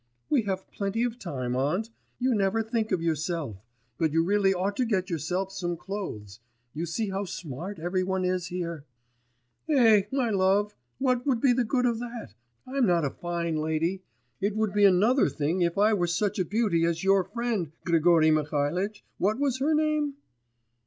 'We have plenty of time, aunt. You never think of yourself, but you really ought to get yourself some clothes. You see how smart every one is here.' 'Eh, my love! what would be the good of that? I'm not a fine lady! It would be another thing if I were such a beauty as your friend, Grigory Mihalitch, what was her name?